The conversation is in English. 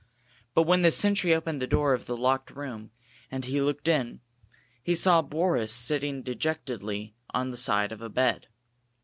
But when the sentry opened the door of the locked room, and he looked in, he saw Boris sitting dejectedly on the side of a bed.